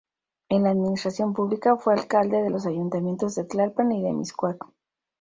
En la administración pública, fue alcalde de los ayuntamientos de Tlalpan y de Mixcoac.